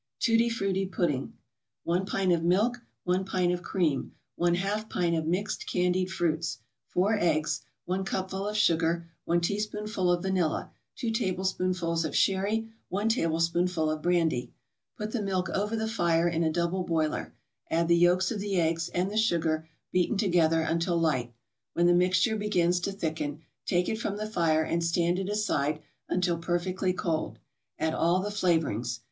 TUTTI FRUTTI PUDDING 1 pint of milk 1 pint of cream 1/2 pint of mixed candied fruits 4 eggs 1 cupful of sugar 1 teaspoonful of vanilla 2 tablespoonfuls of sherry 1 tablespoonful of brandy Put the milk over the fire in a double boiler, add the yolks of the eggs and the sugar beaten together until light. When the mixture begins to thicken, take it from the fire and stand it aside until perfectly cold. Add all the flavorings.